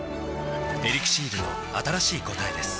「エリクシール」の新しい答えです